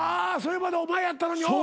それまでお前やったのに。